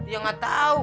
ya nggak tahu